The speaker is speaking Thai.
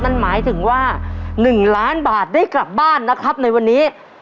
นั่นหมายถึงว่า๑ล้านบาทได้กลับบ้านนะครับในวันนี้